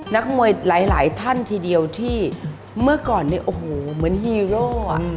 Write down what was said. นักมวยหลายท่านทีเดียวที่เมื่อก่อนเนี่ยโอ้โหเหมือนฮีโร่อ่ะ